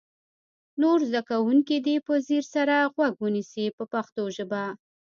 نور زده کوونکي دې په ځیر سره غوږ ونیسي په پښتو ژبه.